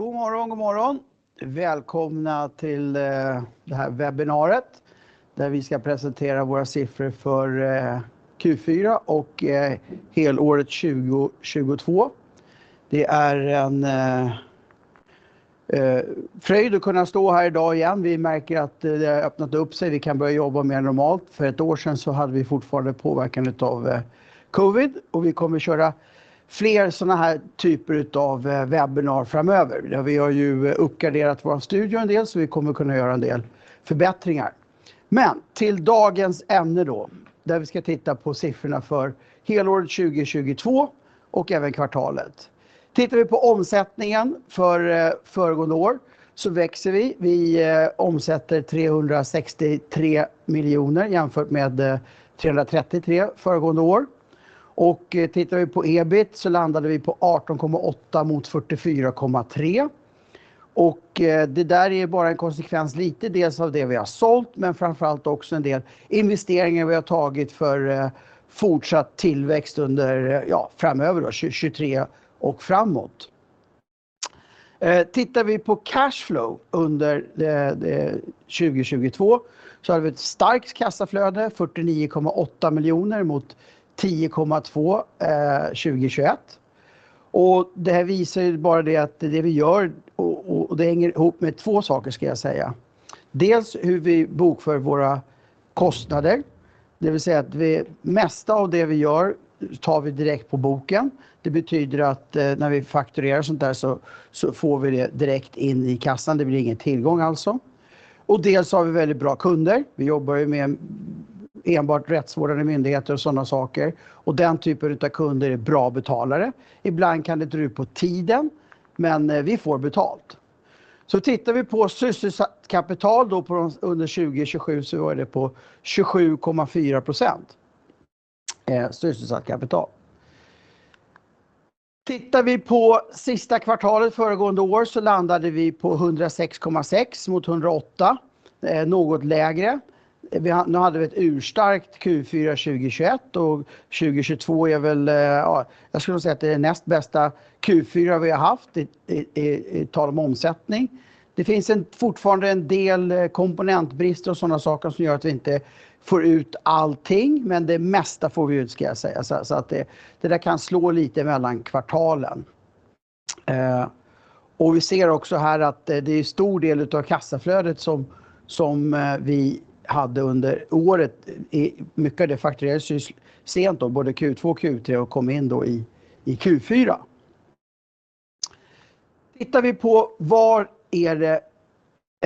God morgon, god morgon. Välkomna till det här webbinaret där vi ska presentera våra siffror för Q4 och helåret 2022. Det är en fröjd att kunna stå här i dag igen. Vi märker att det har öppnat upp sig. Vi kan börja jobba mer normalt. För ett år sedan hade vi fortfarande påverkan av Covid och vi kommer köra fler sådana här typer av webinar framöver. Vi har ju uppgraderat vår studio en del vi kommer kunna göra en del förbättringar. Till dagens ämne då, där vi ska titta på siffrorna för helåret 2022 och även kvartalet. Tittar vi på omsättningen för föregående år växer vi. Vi omsätter 363 million jämfört med 333 million föregående år. Tittar vi på EBIT landade vi på 18.8 million mot 44.3 million. Det där är bara en konsekvens, lite dels av det vi har sålt, men framför allt också en del investeringar vi har tagit för fortsatt tillväxt under, ja framöver då, 2023 och framåt. Tittar vi på cash flow under 2022 så har vi ett starkt kassaflöde, 49.8 million mot 10.2 million 2021. Det här visar bara det att det vi gör och det hänger ihop med två saker ska jag säga. Dels hur vi bokför våra kostnader, det vill säga att det mesta av det vi gör tar vi direkt på boken. Det betyder att när vi fakturerar sånt där så får vi det direkt in i kassan. Det blir ingen tillgång alltså. Dels har vi väldigt bra kunder. Vi jobbar ju med enbart rättsvårdande myndigheter och sådana saker och den typen utav kunder är bra betalare. Ibland kan det dra ut på tiden, men vi får betalt. Tittar vi på sysselsatt kapital då under 2027 så var det på 27.4%. Sysselsatt kapital. Tittar vi på sista kvartalet föregående år så landade vi på 106.6 mot 108. Något lägre. Nu hade vi ett urstarkt Q4 2021 och 2022 är väl, ja jag skulle säga att det är näst bästa Q4 vi har haft i tal om omsättning. Det finns fortfarande en del komponentbrist och sådana saker som gör att vi inte får ut allting, men det mesta får vi ut ska jag säga. Det där kan slå lite mellan kvartalen. Och vi ser också här att det är stor del utav kassaflödet som vi hade under året. Mycket av det fakturerades sent då, både Q2 och Q3 och kom in då i Q4. Tittar vi på var är det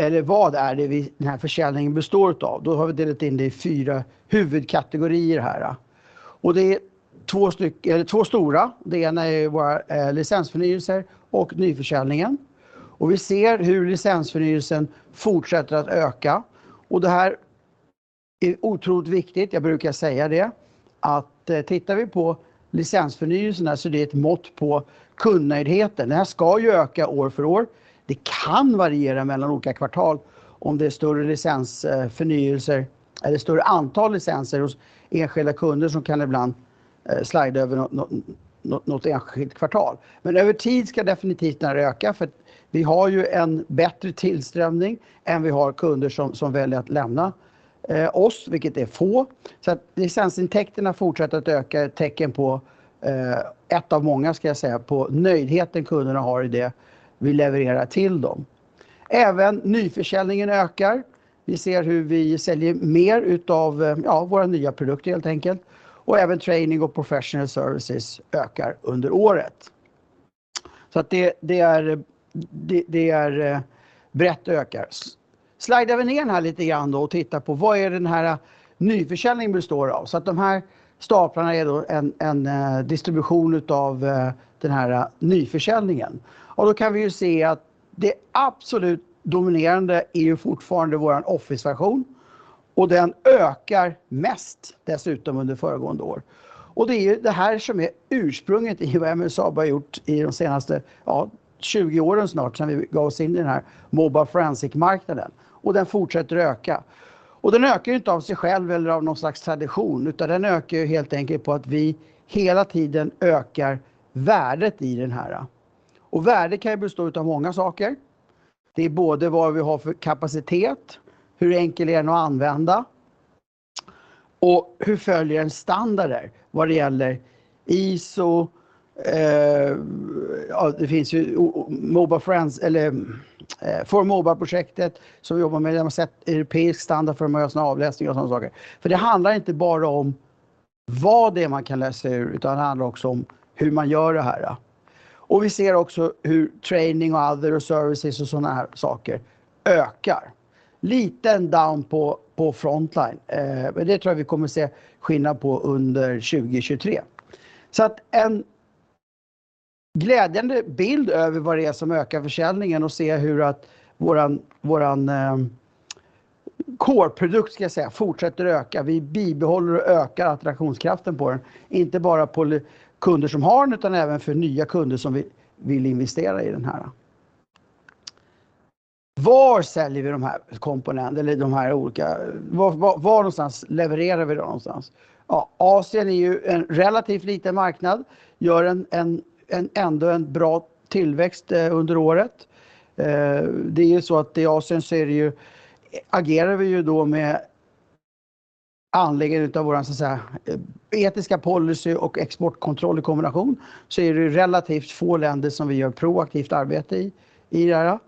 eller vad är det vi den här försäljningen består utav. Då har vi delat in det i 4 huvudkategorier här. Det är 2 stycken, eller 2 stora. Det ena är våra licensförnyelser och nyförsäljningen. Vi ser hur licensförnyelsen fortsätter att öka. Det här är otroligt viktigt. Jag brukar säga det att tittar vi på licensförnyelsen så är det ett mått på kundnöjdheten. Det här ska ju öka år för år. Det kan variera mellan olika kvartal. Om det är större licensförnyelser eller större antal licenser hos enskilda kunder som kan ibland slajda över något enskilt kvartal. Över tid ska definitivt det här öka för att vi har ju en bättre tillströmning än vi har kunder som väljer att lämna oss, vilket är få. Licensintäkterna fortsätter att öka är tecken på 1 av många ska jag säga, på nöjdheten kunderna har i det vi levererar till dem. Även nyförsäljningen ökar. Vi ser hur vi säljer mer utav våra nya produkter helt enkelt. Även training och Professional Services ökar under året. Det är brett ökar. Slajdar vi ner här lite grann då och tittar på vad är det den här nyförsäljningen består av. De här staplarna är då en distribution utav den här nyförsäljningen. Då kan vi ju se att det absolut dominerande är ju fortfarande vår Office version och den ökar mest dessutom under föregående år. Det är ju det här som är ursprunget i vad MSAB har gjort i de senaste 20 åren snart sedan vi gav oss in i den här mobila Forensics marknaden och den fortsätter öka. Den ökar inte av sig själv eller av någon slags tradition, utan den ökar ju helt enkelt på att vi hela tiden ökar värdet i den här. Värde kan ju bestå utav många saker. Det är både vad vi har för kapacitet, hur enkel är den att använda och hur följer den standarder vad det gäller ISO. Ja det finns ju ForMobile projektet som vi jobbar med. De har satt europeisk standard för att man gör sådana avläsningar och sådana saker. Det handlar inte bara om vad det är man kan läsa ur, utan det handlar också om hur man gör det här. Vi ser också hur training och other services och sådana här saker ökar. Liten down på Frontline, men det tror jag vi kommer att se skillnad på under 2023. En glädjande bild över vad det är som ökar försäljningen och se hur att våran core product ska jag säga fortsätter öka. Vi bibehåller och ökar attraktionskraften på den, inte bara på kunder som har den, utan även för nya kunder som vi vill investera i den här. Var säljer vi de här komponent eller de här olika, var någonstans levererar vi det någonstans? Asia är ju en relativt liten marknad, gör en ändå en bra tillväxt under året. Det är ju så att i Asia så är det ju, agerar vi ju då med anläggningen utav vår så att säga etiska policy och exportkontroll i kombination. Är det ju relativt få länder som vi gör proaktivt arbete i det här.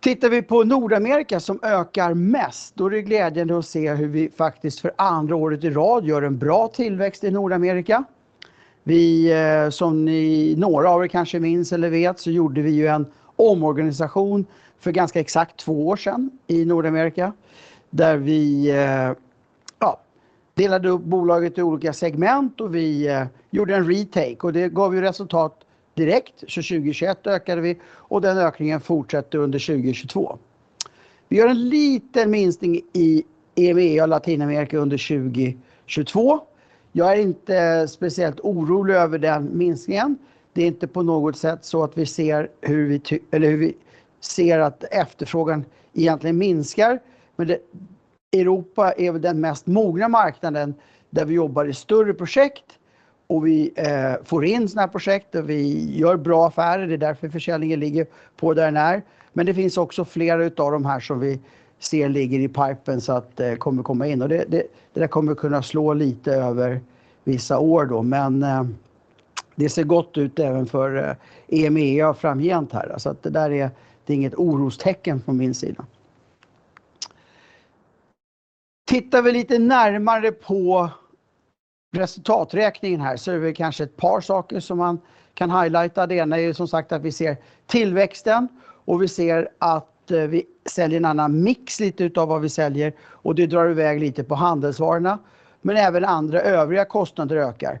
Tittar vi på Nordamerika som ökar mest, då är det glädjande att se hur vi faktiskt för andra året i rad gör en bra tillväxt i Nordamerika. Vi som ni några av er kanske minns eller vet, gjorde vi ju en omorganisation för ganska exakt två år sen i Nordamerika, där vi, ja, delade upp bolaget i olika segment och vi gjorde en retake och det gav ju resultat direkt. 2021 ökade vi den ökningen fortsätter under 2022. Vi gör en liten minskning i EMEA och Latinamerika under 2022. Jag är inte speciellt orolig över den minskningen. Det är inte på något sätt så att vi ser hur vi eller hur vi ser att efterfrågan egentligen minskar. Det, Europa är väl den mest mogna marknaden där vi jobbar i större projekt och vi får in sådana här projekt och vi gör bra affärer. Det är därför försäljningen ligger på där den är. Det finns också flera utav de här som vi ser ligger i pipen så att det kommer komma in. Det där kommer kunna slå lite över vissa år då. Det ser gott ut även för EMEA framgent här. Alltså att det där är, det är inget orostecken från min sida. Tittar vi lite närmare på resultaträkningen här så är det kanske ett par saker som man kan highlighta. Det ena är som sagt att vi ser tillväxten och vi ser att vi säljer en annan mix lite utav vad vi säljer och det drar i väg lite på handelsvarorna. Även andra övriga kostnader ökar.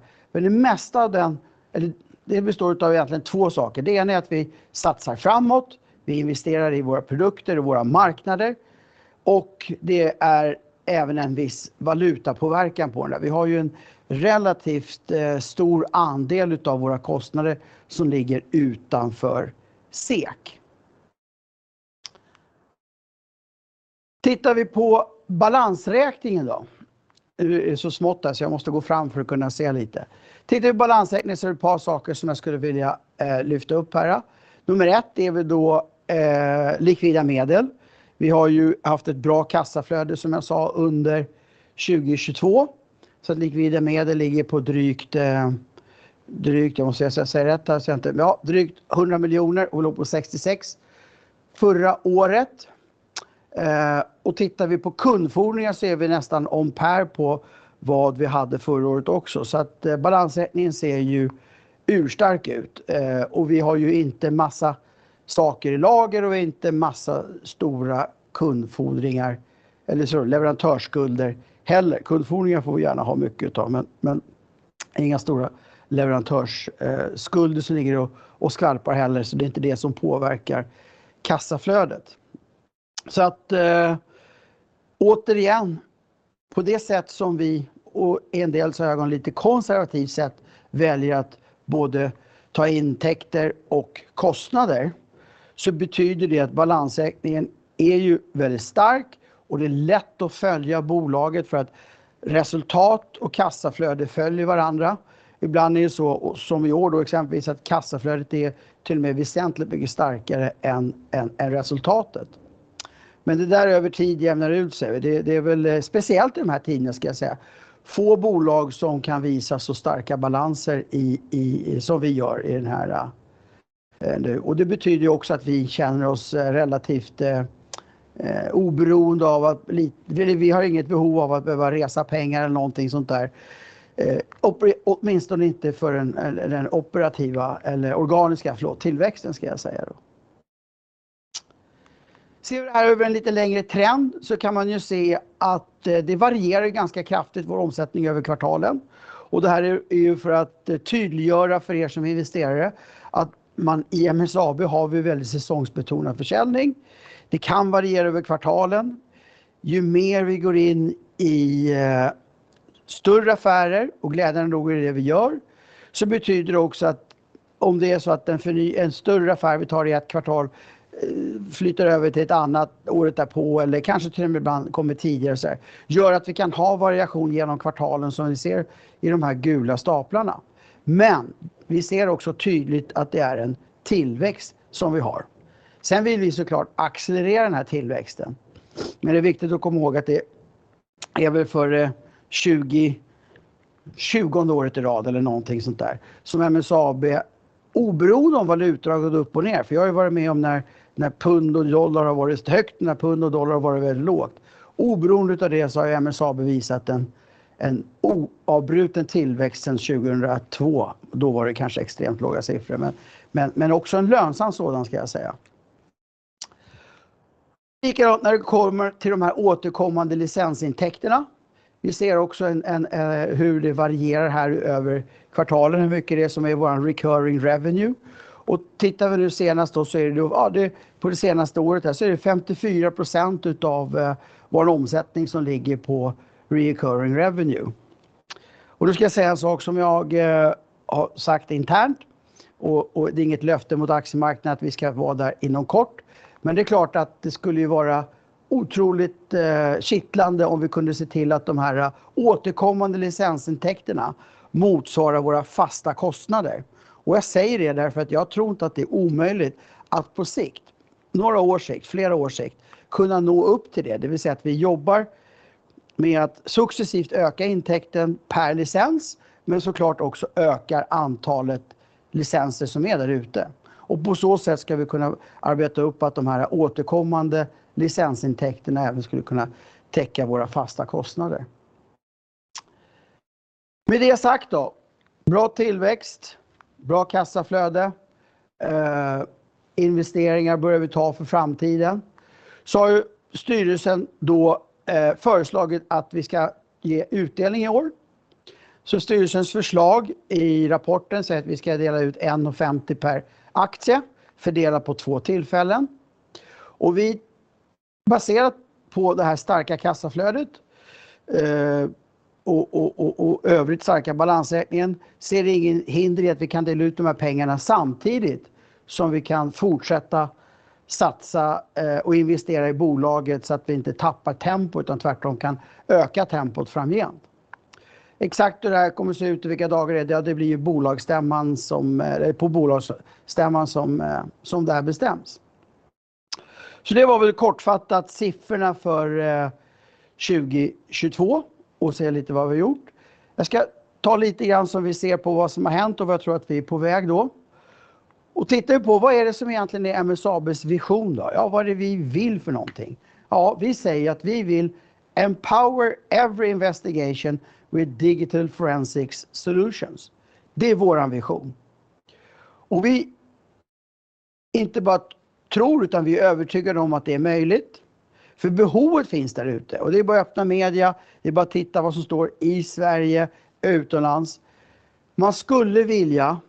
Det består utav egentligen två saker. Det ena är att vi satsar framåt, vi investerar i våra produkter och våra marknader och det är även en viss valutapåverkan på det där. Vi har ju en relativt stor andel utav våra kostnader som ligger utanför SEK. Tittar vi på balansräkningen då. Det är så smått där så jag måste gå fram för att kunna se lite. Tittar vi på balansräkningen så är det ett par saker som jag skulle vilja lyfta upp här. Nummer ett är väl då likvida medel. Vi har ju haft ett bra kassaflöde som jag sa under 2022. Likvida medel ligger på drygt, jag måste säga så att jag säger rätt här, ja drygt 100 miljoner och låg på 66 förra året. Tittar vi på kundfordringar så är vi nästan on par på vad vi hade förra året också. Balansräkningen ser ju urstark ut. Vi har ju inte en massa saker i lager och inte massa stora kundfordringar. Leverantörsskulder heller. Kundfordringar får vi gärna ha mycket utav, men inga stora leverantörsskulder som ligger och skarpar heller. Det är inte det som påverkar kassaflödet. Återigen, på det sätt som vi och en dels i ögon lite konservativt sätt väljer att både ta intäkter och kostnader, så betyder det att balansräkningen är ju väldigt stark och det är lätt att följa bolaget för att resultat och kassaflöde följer varandra. Ibland är det så som i år då exempelvis att kassaflödet är till och med väsentligt mycket starkare än resultatet. Det där över tid jämnar ut sig. Det är väl speciellt i de här tiderna ska jag säga. Få bolag som kan visa så starka balanser i Som vi gör i den här nu. Det betyder ju också att vi känner oss relativt oberoende av att Vi har inget behov av att behöva resa pengar eller någonting sånt där. Åtminstone inte för den operativa eller organiska, förlåt, tillväxten ska jag säga då. Ser vi det här över en lite längre trend så kan man ju se att det varierar ganska kraftigt vår omsättning över kvartalen. Det här är ju för att tydliggöra för er som är investerare att man i MSAB har vi väldigt säsongsbetonad försäljning. Det kan variera över kvartalen. Ju mer vi går in i större affärer och glädjande nog är det det vi gör, så betyder det också att om det är så att en större affär vi tar i ett kvartal flyter över till ett annat året därpå eller kanske till och med ibland kommer tidigare såhär. Gör att vi kan ha variation genom kvartalen som vi ser i de här gula staplarna. Vi ser också tydligt att det är en tillväxt som vi har. Vi vill så klart accelerera den här tillväxten. Det är viktigt att komma ihåg att det är väl för 20th året i rad eller någonting sånt där som MSAB oberoende om valutdrag och upp och ner. Jag har ju varit med om när pund och dollar har varit högt, när pund och dollar har varit väldigt lågt. Oberoende utav det har MSAB visat en oavbruten tillväxt sedan 2002. Då var det kanske extremt låga siffror. Också en lönsam sådan ska jag säga. Likadant när det kommer till de här återkommande licensintäkterna. Vi ser också hur det varierar här över kvartalen, hur mycket det är som är vår Recurring Revenue. Tittar vi nu senast, på det senaste året här, så är det 54% utav vår omsättning som ligger på recurring revenue. Ska jag säga en sak som jag har sagt internt, och det är inget löfte mot aktiemarknaden att vi ska vara där inom kort. Det är klart att det skulle ju vara otroligt kittlande om vi kunde se till att de här återkommande licensintäkterna motsvarar våra fasta kostnader. Jag säger det därför att jag tror inte att det är omöjligt att på sikt, några års sikt, flera års sikt, kunna nå upp till det. Det vill säga att vi jobbar med att successivt öka intäkten per licens, men så klart också ökar antalet licenser som är där ute. På så sätt ska vi kunna arbeta upp att de här återkommande licensintäkterna även skulle kunna täcka våra fasta kostnader. Med det sagt då, bra tillväxt, bra kassaflöde, investeringar bör vi ta för framtiden. Har ju styrelsen då föreslagit att vi ska ge utdelning i år. Styrelsens förslag i rapporten säger att vi ska dela ut 1.50 per aktie fördelat på två tillfällen. Vi, baserat på det här starka kassaflödet, och övrigt starka balansräkningen, ser ingen hinder i att vi kan dela ut de här pengarna samtidigt som vi kan fortsätta satsa och investera i bolaget så att vi inte tappar tempo utan tvärtom kan öka tempot framgent. Exakt hur det här kommer att se ut och vilka dagar är det? Ja, det blir ju på bolagsstämman som det här bestäms. Det var väl kortfattat siffrorna för 2022. Säger lite vad vi har gjort. Jag ska ta lite grann som vi ser på vad som har hänt och vad jag tror att vi är på väg då. Tittar vi på vad är det som egentligen är MSAB's vision då? Vad är det vi vill för någonting? Vi säger att vi vill "empower every investigation with digital forensics solutions". Det är vår vision. Vi inte bara tror, utan vi är övertygade om att det är möjligt. Behovet finns där ute och det är bara att öppna media. Det är bara att titta vad som står i Sverige, utomlands. Man skulle vilja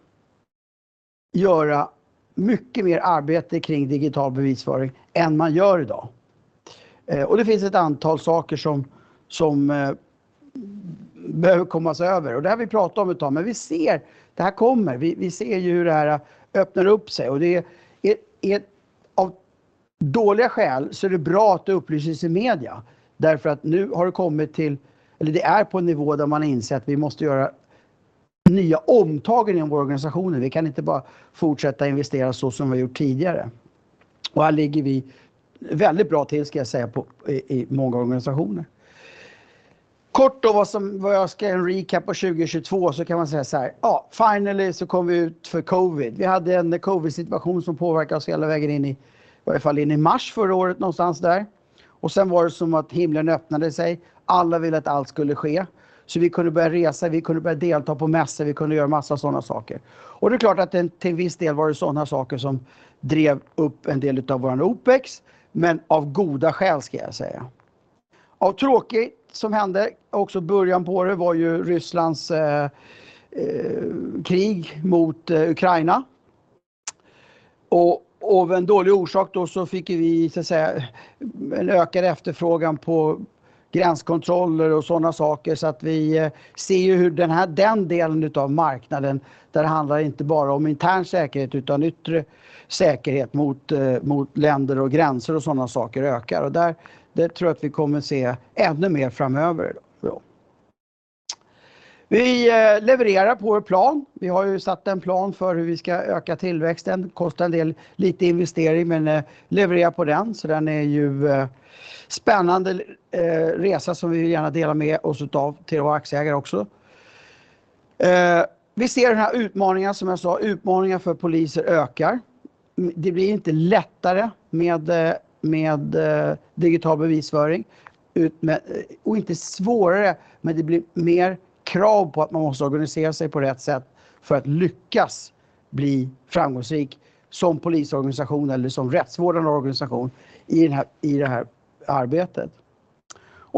göra mycket mer arbete kring digital forensics än man gör today. Det finns ett antal saker som behöver kommas över och det har vi pratat om ett tag, men vi ser det här kommer, vi ser ju hur det här öppnar upp sig och det är av dåliga skäl så är det bra att det upplyses i media. Nu har det kommit till, eller det är på en nivå där man inser att vi måste göra nya omtag inom vår organisation. Vi kan inte bara fortsätta investera så som vi gjort tidigare. Här ligger vi väldigt bra till ska jag säga i många organisationer. Kort då vad jag ska ge en recap på 2022 så kan man säga såhär: Ja, finally så kom vi ut för Covid. Vi hade en Covid-situation som påverkade oss hela vägen in i varje fall in i mars förra året någonstans där. Sen var det som att himlen öppnade sig. Alla ville att allt skulle ske. Vi kunde börja resa, vi kunde börja delta på mässor, vi kunde göra en massa sådana saker. Det är klart att till en viss del var det sådana saker som drev upp en del av vår OPEX, men av goda skäl ska jag säga. Av tråkigt som hände, också början på det, var ju Rysslands krig mot Ukraina. Av en dålig orsak då så fick vi så att säga en ökad efterfrågan på gränskontroller och sådana saker. Vi ser ju hur den här, den delen av marknaden, där det handlar inte bara om intern säkerhet utan yttre säkerhet mot länder och gränser och sådana saker ökar. Där, det tror jag att vi kommer att se ännu mer framöver. Vi levererar på vår plan. Vi har ju satt en plan för hur vi ska öka tillväxten. Kostar en del, lite investering, men levererar på den. Den är ju spännande resa som vi vill gärna dela med oss utav till våra aktieägare också. Vi ser den här utmaningen som jag sa, utmaningen för poliser ökar. Det blir inte lättare med digital bevisföring. Inte svårare, men det blir mer krav på att man måste organisera sig på rätt sätt för att lyckas bli framgångsrik som polisorganisation eller som rättsvårdande organisation i det här arbetet.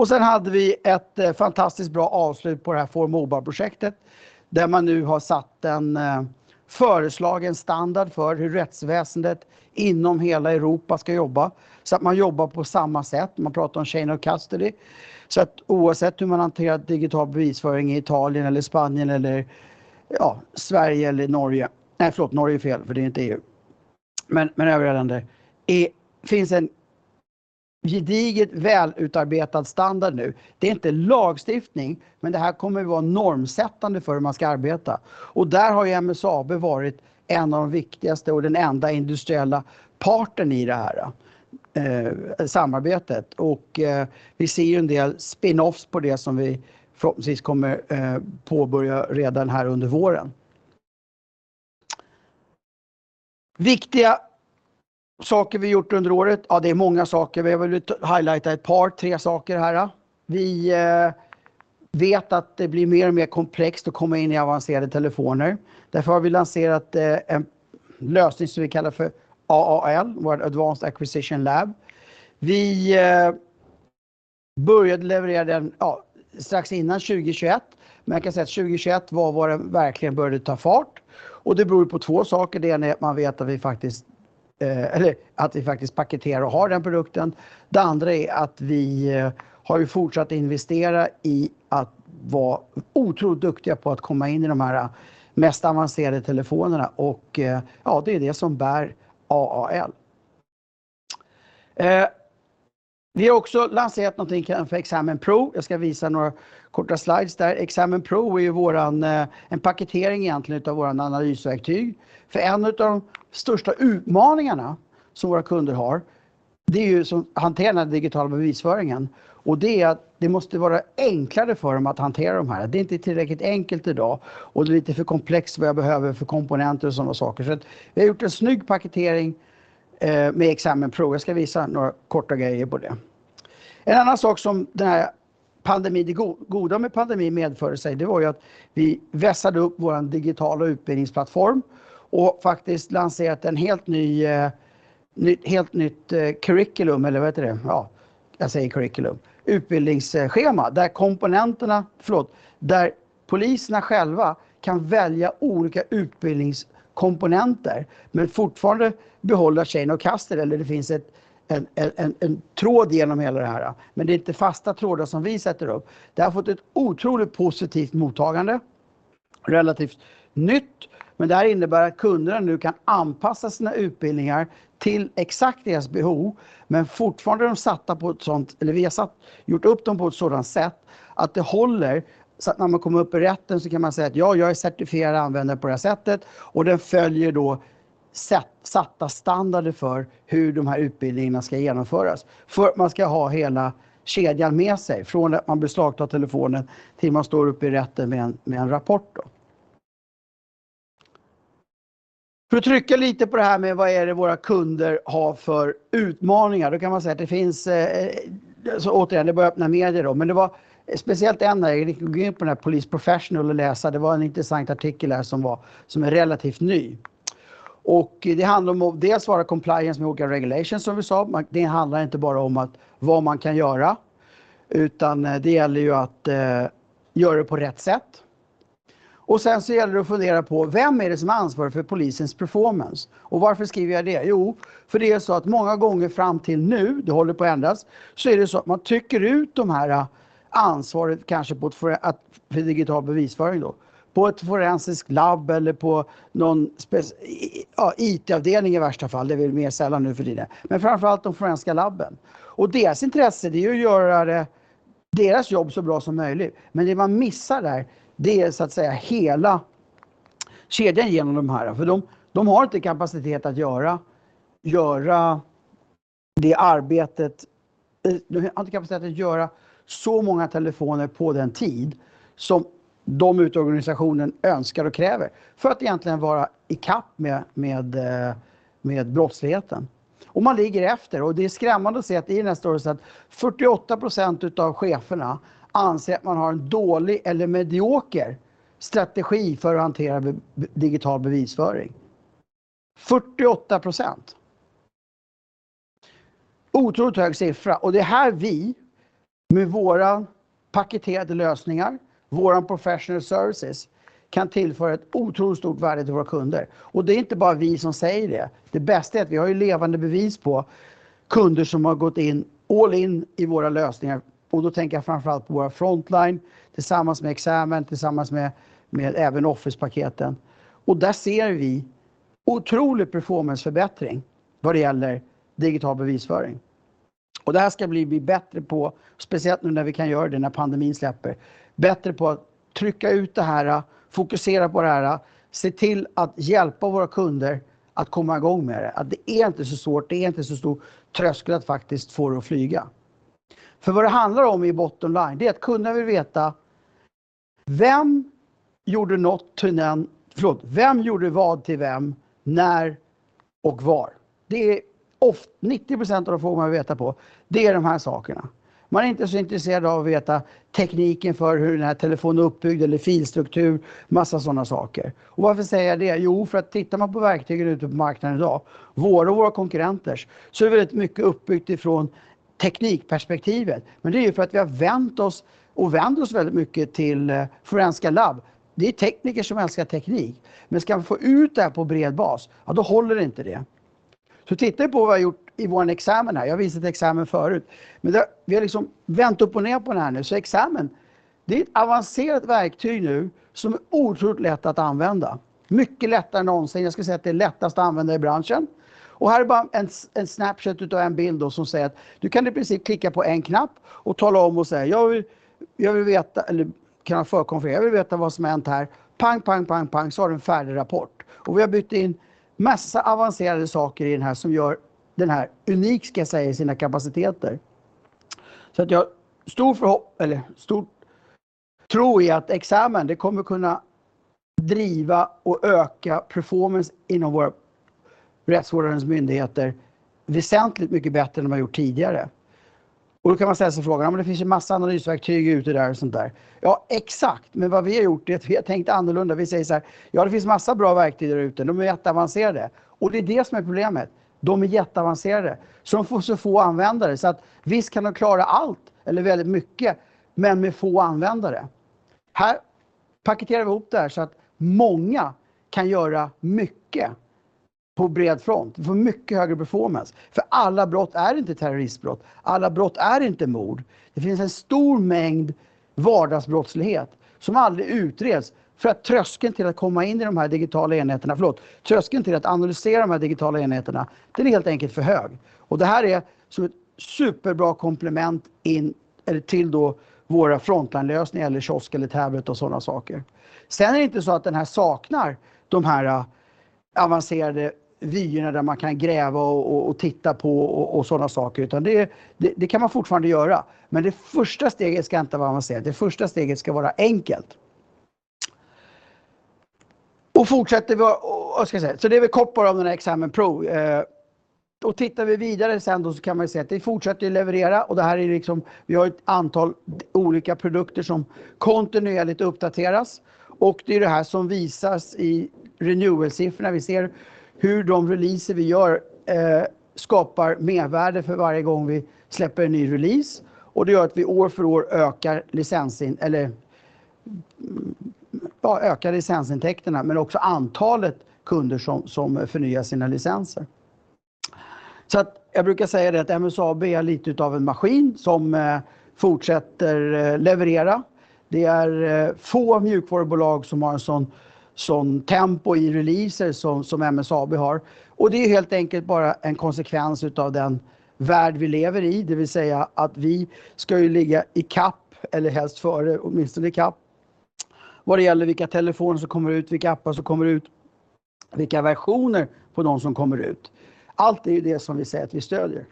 Sen hade vi ett fantastiskt bra avslut på det här ForMobile-projektet, där man nu har satt en föreslagen standard för hur rättsväsendet inom hela Europa ska jobba. Att man jobbar på samma sätt. Man pratar om chain of custody. Oavsett hur man hanterar digital bevisföring i Italy eller Spain eller ja, Sweden eller Norway. No, förlåt, Norway är fel för det är inte EU. Övriga länder. Det finns en gediget välutarbetad standard nu. Det är inte lagstiftning, det här kommer att vara normsättande för hur man ska arbeta. Där har ju MSAB varit en av de viktigaste och den enda industriella partnern i det här samarbetet. Vi ser ju en del spin-offs på det som vi förhoppningsvis kommer påbörja redan här under våren. Viktiga saker vi gjort under året. Ja, det är många saker. Vi har väl highlighted ett par, 3 saker här. Vi vet att det blir mer och mer komplext att komma in i avancerade telefoner. Därför har vi lanserat en lösning som vi kallar för AAL, vårt Advanced Acquisition Lab. Vi började leverera den strax innan 2021. Man kan säga att 2021 var det verkligen började ta fart och det beror på två saker. Det är det att man vet att vi Eller att vi faktiskt paketerar och har den produkten. Det andra är att vi har ju fortsatt att investera i att vara otroligt duktiga på att komma in i de här mest avancerade telefonerna. Ja, det är det som bär AAL. Vi har också lanserat någonting som kallas för XAMN Pro. Jag ska visa några korta slides där. XAMN Pro är ju våran, en paketering egentligen utav våran analysverktyg. En utav de största utmaningarna som våra kunder har, det är ju att hantera den digitala bevisföringen. Det är att det måste vara enklare för dem att hantera de här. Det är inte tillräckligt enkelt i dag och det är lite för komplext vad jag behöver för komponenter och sådana saker. Vi har gjort en snygg paketering med XAMN Pro. Jag ska visa några korta grejer på det. En annan sak som den här pandemin, det goda med pandemin medförde sig, det var ju att vi vässade upp vår digitala utbildningsplattform och faktiskt lanserat en helt ny, ett helt nytt curriculum, eller vad heter det? Ja, jag säger curriculum. Utbildningsschema, där komponenterna, förlåt, där poliserna själva kan välja olika utbildningskomponenter men fortfarande behålla chain of custody. Eller det finns en tråd igenom hela det här. Det är inte fasta trådar som vi sätter upp. Det har fått ett otroligt positivt mottagande. Relativt nytt, men det här innebär att kunderna nu kan anpassa sina utbildningar till exakt deras behov, men fortfarande vi har gjort upp dem på ett sådant sätt att det håller. När man kommer upp i rätten så kan man säga att ja, jag är certifierad användare på det här sättet och den följer då satta standarder för hur de här utbildningarna ska genomföras. Man ska ha hela kedjan med sig, från att man beslagtar telefonen till man står upp i rätten med en rapport då. Att trycka lite på det här med vad är det våra kunder har för utmaningar. Man kan säga att det finns, så återigen, det är bara öppna medier då, men det var speciellt en där. Jag gick in på den här Police Professional och läsa. Det var en intressant artikel där som var, som är relativt ny. Det handlar om att dels vara compliance med olika regulations som vi sa. Det handlar inte bara om att vad man kan göra, utan det gäller ju att göra det på rätt sätt. Sen så gäller det att fundera på vem är det som är ansvarig för polisens performance. Varför skriver jag det? Det är så att många gånger fram till nu, det håller på att ändras, så är det så att man trycker ut de här ansvaret, kanske på att vid digital bevisföring då, på ett forensiskt labb eller på någon spec, ja, IT-avdelning i värsta fall. Det är mer sällan nu för tiden. Framför allt de forensiska labben. Deras intresse, det är att göra deras jobb så bra som möjligt. Det man missar där, det är så att säga hela kedjan igenom de här. De har inte kapacitet att göra det arbetet. De har inte kapacitet att göra så många telefoner på den tid som de ute i organisationen önskar och kräver för att egentligen vara i kapp med brottsligheten. Man ligger efter och det är skrämmande att se att i den här studien så är det 48% utav cheferna anser att man har en dålig eller medioker strategi för att hantera digital bevisföring. 48%. Otroligt hög siffra. Det är här vi med våra paketerade lösningar, våran Professional Services, kan tillföra ett otroligt stort värde till våra kunder. Det är inte bara vi som säger det. Det bästa är att vi har ju levande bevis på kunder som har gått in all in i våra lösningar. Då tänker jag framför allt på våra Frontline tillsammans med XAMN, tillsammans med även officepaketen. Där ser vi otrolig performanceförbättring vad det gäller digital bevisföring. Det här ska bli vi bättre på, speciellt nu när vi kan göra det, när pandemin släpper. Bättre på att trycka ut det här, fokusera på det här, se till att hjälpa våra kunder att komma i gång med det. Det är inte så svårt, det är inte så stor tröskel att faktiskt få det att flyga. Vad det handlar om i bottom line, det är att kunderna vill veta vem gjorde något till den, förlåt, vem gjorde vad till vem, när och var. Det är oft, 90% av de frågor man vill veta på, det är de här sakerna. Man är inte så intresserad av att veta tekniken för hur den här telefonen är uppbyggd eller filstruktur, massa sådana saker. Varför säger jag det? Jo, för att tittar man på verktygen ute på marknaden i dag, våra och våra konkurrenters, så är det väldigt mycket uppbyggt ifrån teknikperspektivet. Det är ju för att vi har vänt oss och vänder oss väldigt mycket till forensiska labb. Det är tekniker som älskar teknik. Ska man få ut det här på bred bas, ja då håller inte det. Titta på vad vi har gjort i vår XAMN här. Jag visade XAMN förut, det, vi har liksom vänt upp och ner på den här nu. XAMN, det är ett avancerat verktyg nu som är otroligt lätt att använda. Mycket lättare än någonsin. Jag skulle säga att det är lättast att använda i branschen. Här är bara en snapshot utav en bild då som säger att du kan i princip klicka på en knapp och tala om och säga jag vill, jag vill veta eller kan ha förkonfigurerat, jag vill veta vad som har hänt här. Pang, pang, pang, så har du en färdig rapport. Vi har byggt in massa avancerade saker i den här som gör den här unik, ska jag säga, i sina kapaciteter. Jag har stor förhopp, eller stor tro i att XAMN, det kommer kunna driva och öka performance inom våra rättsvårdarens myndigheter väsentligt mycket bättre än de har gjort tidigare. Då kan man ställa sig frågan, ja men det finns en massa analysverktyg ute där och sånt där. Ja, exakt. Vad vi har gjort är att vi har tänkt annorlunda. Vi säger såhär, ja, det finns en massa bra verktyg där ute. De är jätteavancerade och det är det som är problemet. De är jätteavancerade. De får så få användare. Visst kan de klara allt eller väldigt mycket, men med få användare. Här paketerar vi ihop det här så att många kan göra mycket på bred front. Vi får mycket högre performance för alla brott är inte terroristbrott. Alla brott är inte mord. Det finns en stor mängd vardagsbrottslighet som aldrig utreds för att tröskeln till att komma in i de här digitala enheterna, förlåt, tröskeln till att analysera de här digitala enheterna, det är helt enkelt för hög. Det här är som ett superbra komplement in eller till då våra frontline lösningar eller kiosk eller tablet och sådana saker. Det är inte så att den här saknar de här avancerade vyerna där man kan gräva och titta på och sådana saker, utan det kan man fortfarande göra. Det första steget ska inte vara avancerat. Det första steget ska vara enkelt. Fortsätter vi, vad ska jag säga? Det är väl kort bara om den här XAMN Pro. Tittar vi vidare sen då så kan man ju se att det fortsätter leverera och det här är liksom, vi har ett antal olika produkter som kontinuerligt uppdateras. Det är det här som visas i renewal-siffrorna. Vi ser hur de releaser vi gör skapar mervärde för varje gång vi släpper en ny release och det gör att vi år för år ökar licensintäkterna, men också antalet kunder som förnyar sina licenser. Jag brukar säga det att MSAB är lite utav en maskin som fortsätter leverera. Det är få mjukvarubolag som har en sån tempo i releaser som MSAB har. Det är helt enkelt bara en konsekvens utav den värld vi lever i. Det vill säga att vi ska ju ligga i kapp eller helst före, åtminstone i kapp, vad det gäller vilka telefoner som kommer ut, vilka appar som kommer ut, vilka versioner på de som kommer ut. Allt är ju det som vi säger att vi stödjer.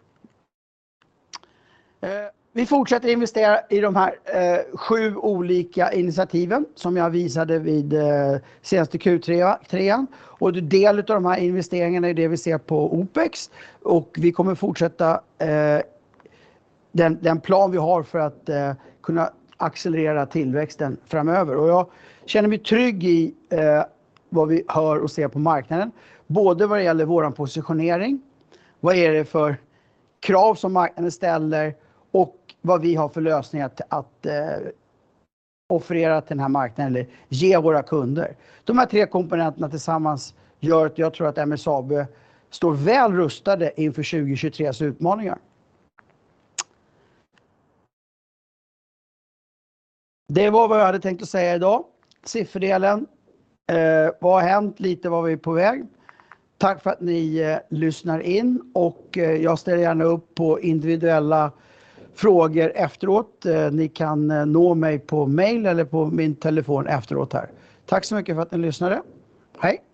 Vi fortsätter investera i de här sju olika initiativen som jag visade vid senaste Q3. En del utav de här investeringarna är det vi ser på OPEX. Vi kommer fortsätta den plan vi har för att kunna accelerera tillväxten framöver. Jag känner mig trygg i vad vi hör och ser på marknaden, både vad det gäller vår positionering, vad är det för krav som marknaden ställer och vad vi har för lösningar att offerera till den här marknaden eller ge våra kunder. De här tre komponenterna tillsammans gör att jag tror att MSAB står väl rustade inför 2023 utmaningar. Det var vad jag hade tänkt att säga i dag. Sifferdelen. Vad har hänt? Lite var vi är på väg. Tack för att ni lyssnar in och jag ställer gärna upp på individuella frågor efteråt. Ni kan nå mig på mail eller på min telefon efteråt här. Tack så mycket för att ni lyssnade. Hej!